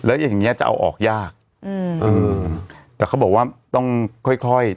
แล้วอย่างเงี้จะเอาออกยากอืมเออแต่เขาบอกว่าต้องค่อยค่อย